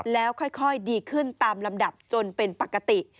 แล้วค่อยดีขึ้นตามลำดับจนเป็นปกติ